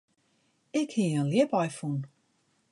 Ik hie in ljipaai fûn.